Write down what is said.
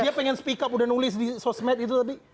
dia pengen speak up udah nulis di sosmed itu tadi